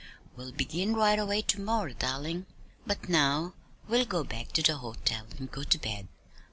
"We'll begin right away to morrow, darling. But now we'll go back to the hotel and go to bed.